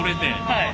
はい。